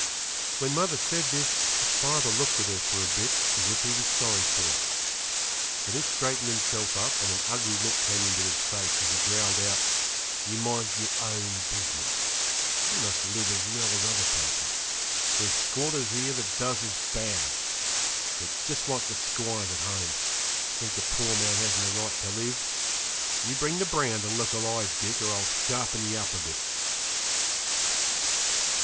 When mother said this, father looked at her for a bit as if he was sorry for it; then he straightened himself up, and an ugly look came into his face as he growled out 'You mind your own business; we must live as well as other people. There's squatters here that does as bad. They're just like the squires at home; think a poor man hasn't a right to live. You bring the brand and look alive, Dick, or I'll sharpen ye up a bit.'